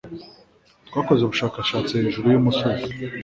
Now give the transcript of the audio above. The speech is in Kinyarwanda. Twakoze ubushakashatsi hejuru y umusozi.